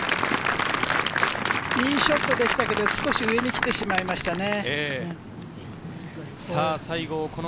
いいショットでしたけど、少し上に来てしまいましたね。